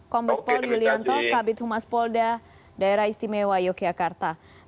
kombes pol yulianto kabit humas polda daerah istimewa yogyakarta